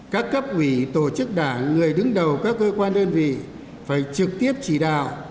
các cấp ủy tổ chức đảng người đứng đầu các cơ quan đơn vị phải trực tiếp chỉ đạo